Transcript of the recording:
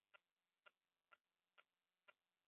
এইজন্য তোমাকে আজ অরণ্যে ডাকিয়া আনিয়াছি।